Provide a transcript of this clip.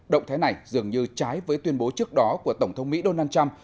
động thái này dường như trái với tuyên bố trước đó của tổng thống mỹ donald trump